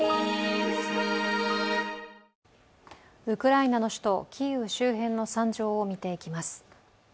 ウクライナの首都キーウ周辺の惨状を見ていきます。